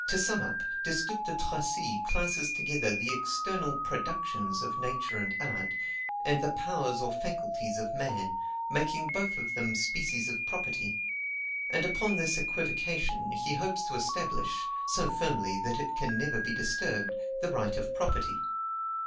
To sum up: Destutt de Tracy classes together the external PRODUCTIONS of nature and art, and the POWERS or FACULTIES of man, making both of them species of property; and upon this equivocation he hopes to establish, so firmly that it can never be disturbed, the right of property.